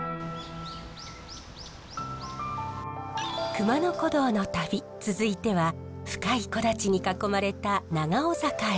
熊野古道の旅続いては深い木立に囲まれた長尾坂へ。